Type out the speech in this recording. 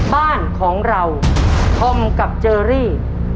บ้านของเราธอมกับเจอรี่